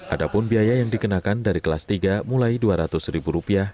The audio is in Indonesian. ada pun biaya yang dikenakan dari kelas tiga mulai rp dua ratus